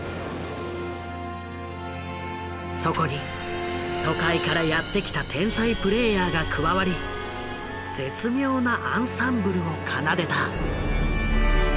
そこに都会からやって来た天才プレーヤーが加わり絶妙なアンサンブルを奏でた。